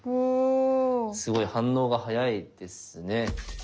すごい反応が早いですね。